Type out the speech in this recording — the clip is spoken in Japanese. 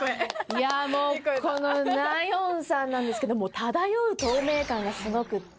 いやもうこのナヨンさんなんですけども漂う透明感がすごくって。